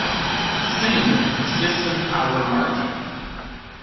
"Synonym" system power margin.